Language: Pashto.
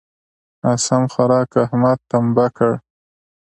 ناسم خوارک؛ احمد ټمبه کړ.